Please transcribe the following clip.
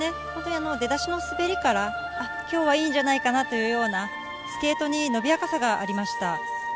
出だしの滑りから今日はいいんじゃないかなというようなスケートに伸びやかさがありました。